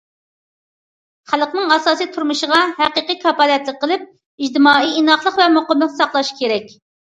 خەلقنىڭ ئاساسىي تۇرمۇشىغا ھەقىقىي كاپالەتلىك قىلىپ، ئىجتىمائىي ئىناقلىق ۋە مۇقىملىقنى ساقلاش كېرەك.